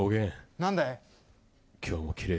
何だい？